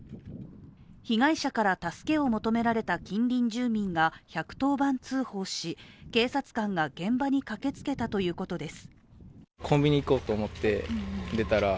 被害者から助けを求められた近隣住民が１１０番通報し、警察官が現場に駆けつけたということです。